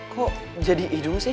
kok jadi hidung sih